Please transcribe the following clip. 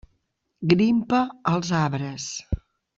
Grimpa als arbres.